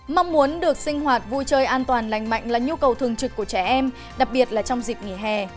mong muốn được sinh hoạt vui chơi an toàn lành mạnh là nhu cầu thường trực của trẻ em đặc biệt là trong dịp nghỉ hè